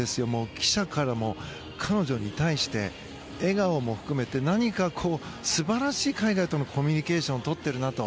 記者からも、彼女に対して笑顔も含めて何か素晴らしい海外とのコミュニケーションを取っているなと。